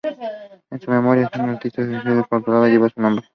En su memoria, una arteria de la ciudad de Córdoba lleva su nombre.